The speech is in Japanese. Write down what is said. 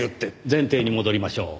前提に戻りましょう。